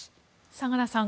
相良さん